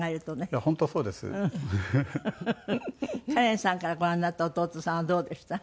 かれんさんからご覧になった弟さんはどうでした？